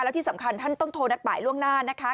แล้วที่สำคัญท่านต้องโทรนัดหมายล่วงหน้านะคะ